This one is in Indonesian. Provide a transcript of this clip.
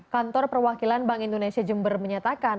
kantor perwakilan bank indonesia jember menyatakan